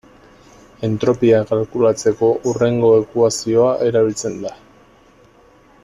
Entropia kalkulatzeko hurrengo ekuazioa erabiltzen da.